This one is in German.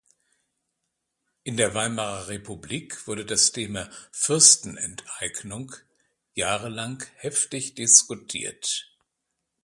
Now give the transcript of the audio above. In der Weimarer Republik wurde das Thema Fürstenenteignung Jahre lang heftig diskutiert.